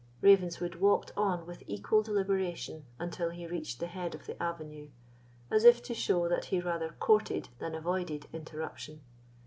Ravenswood walked on with equal deliberation until he reached the head of the avenue, as if to show that he rather courted than avoided interruption.